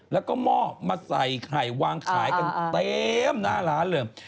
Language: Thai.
แล้วก็หม้อมาใส่ไข่วางขายกันเต็มหน้าร้านเลย